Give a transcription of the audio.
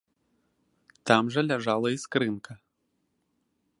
Там жа ляжала і скрынка.